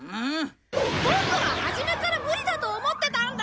ボクは初めから無理だと思ってたんだ！